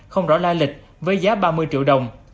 không rõ la lịch với giá ba mươi triệu đồng